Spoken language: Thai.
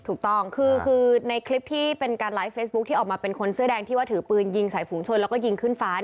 ถูกต้องคือในคลิปที่เป็นการไลฟ์เฟซบุ๊คที่ออกมาเป็นคนเสื้อแดงที่ว่าถือปืนยิงใส่ฝูงชนแล้วก็ยิงขึ้นฟ้า